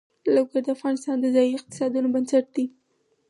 لوگر د افغانستان د ځایي اقتصادونو بنسټ دی.